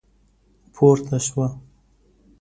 پورته شوه.